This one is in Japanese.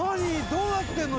どうなってるの。